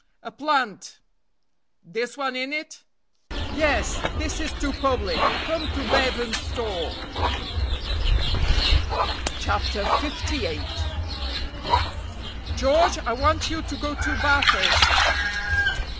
"A plant." "This one in it?" "Yes! This is too public, come to Bevan's store." CHAPTER LVIII. "GEORGE, I want you to go to Bathurst."